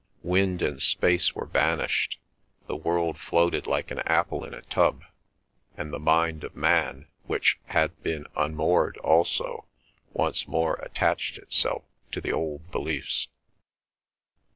Wind and space were banished; the world floated like an apple in a tub, and the mind of man, which had been unmoored also, once more attached itself to the old beliefs.